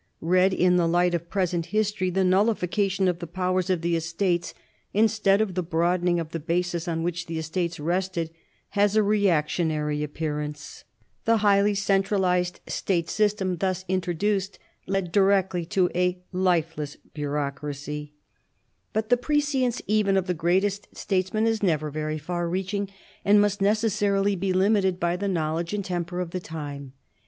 Read in the light of present his tor v, the nullification of the powers of the Estates, instead^of the broadening of ^ he basis on which the Estates rested, has a reactionary appearance. The highly centralised state system thus introduced led ( i 74 MAEIA THERESA chap, iv directly to a lifeless bureaucracy. But the prescience even of the greatest statesman is never very far reaching, and must necessarily be limited by the knowledge and temper of the time.